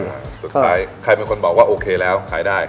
สุดท้ายใครเป็นคนบอกว่าโอเคแล้วขายได้